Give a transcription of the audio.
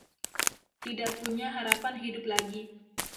Tidak punya harapan hidup lagi